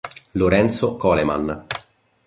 Lorenzo Coleman